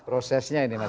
prosesnya ini mas